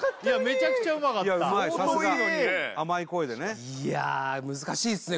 めちゃくちゃうまかった相当いいのにね甘い声でねいや難しいっすね